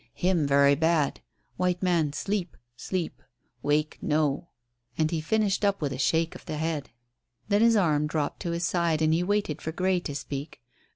"Him very bad. White man sleep sleep. Wake no." And he finished up with a shake of the head. Then his arm dropped to his side, and he waited for Grey to speak.